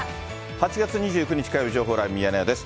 ８月２９日火曜日、情報ライブミヤネ屋です。